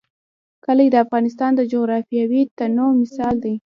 کلي د افغانستان د جغرافیوي تنوع مثال دی.